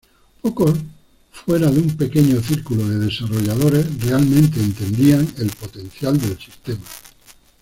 Pocos fuera de un pequeño círculo de desarrolladores realmente entendían el potencial del sistema.